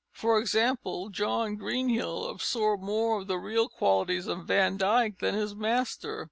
For example, John Greenhill absorbed more of the real qualities of Van Dyck than his master.